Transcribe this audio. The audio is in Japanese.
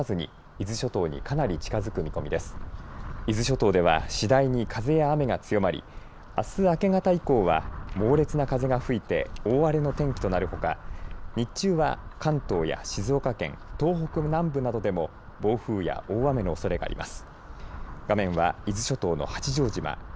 伊豆諸島では次第に風や雨が強まりあす明け方以降は猛烈な風が吹いて大荒れの天気となるほか日中は関東や静岡県東北南部などでも暴風や大雨のおそれがあります。